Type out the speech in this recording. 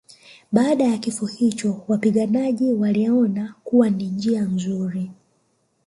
Baada ya kifo hicho wapiganaji waliona kuwa ni njia nzuri